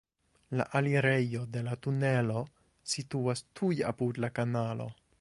La alirejo de la tunelo situas tuj apud la kanalo.